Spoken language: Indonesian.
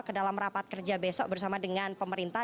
ke dalam rapat kerja besok bersama dengan pemerintah